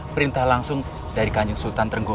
perintah langsung dari kanjang sultan tenggono